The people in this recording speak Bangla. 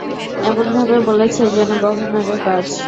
এমনভাবে বলেছে যেন গভর্নরের কাজ।